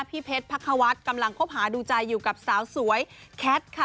พี่เพชรพักควัฒน์กำลังคบหาดูใจอยู่กับสาวสวยแคทค่ะ